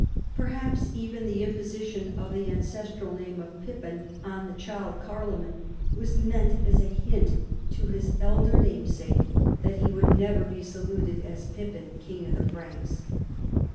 Perhaps even the imposition of the an cestral name of Pippin on tlie child Carloman was meant as a hint to his elder namesake that he would never be saluted as Pippin, King of the Franks.